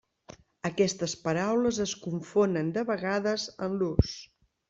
Aquestes paraules es confonen de vegades en l'ús.